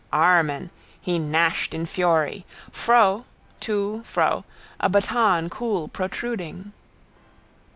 Amen! He gnashed in fury. Fro. To, fro. A baton cool protruding.